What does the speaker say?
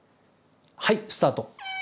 はいスタート！